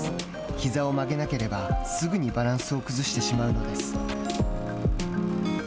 ひざを曲げなければすぐにバランスを崩してしまうのです。